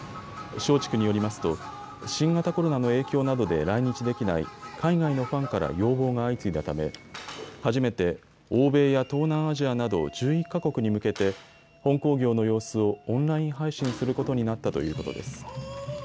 松竹によりますと新型コロナの影響などで来日できない海外のファンから要望が相次いだため初めて欧米や東南アジアなど１１か国に向けて本興行の様子をオンライン配信することになったということです。